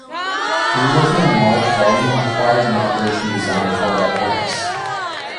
Reworking in large volume requires an operation designed for that purpose.